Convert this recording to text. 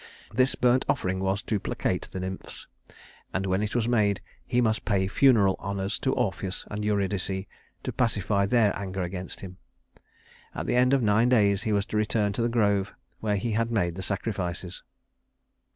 This burnt offering was to placate the nymphs, and when it was made, he must pay funeral honors to Orpheus and Eurydice to pacify their anger against him. At the end of nine days he was to return to the grove where he had made the sacrifices.